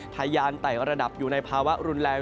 ทะยานไต่ระดับอยู่ในภาวะรุนแรง